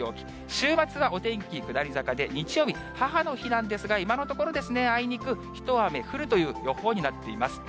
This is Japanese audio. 週末はお天気下り坂で、日曜日、母の日なんですが、今のところ、あいにく一雨降るという予報になっています。